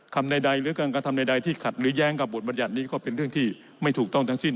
ใดหรือการกระทำใดที่ขัดหรือแย้งกับบทบรรยัตินี้ก็เป็นเรื่องที่ไม่ถูกต้องทั้งสิ้น